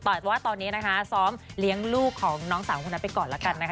แต่ว่าตอนนี้นะคะซ้อมเลี้ยงลูกของน้องสาวคนนั้นไปก่อนแล้วกันนะคะ